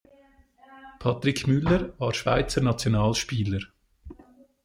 Patrick Müller war Schweizer Nationalspieler.